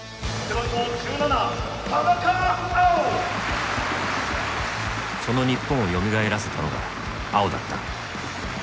その日本をよみがえらせたのが碧だった。